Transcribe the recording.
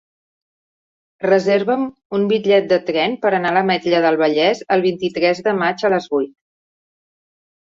Reserva'm un bitllet de tren per anar a l'Ametlla del Vallès el vint-i-tres de maig a les vuit.